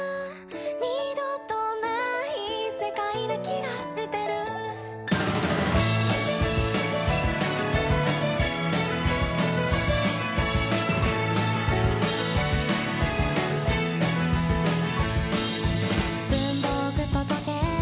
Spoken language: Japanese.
「二度とない世界な気がしてる」「文房具と時計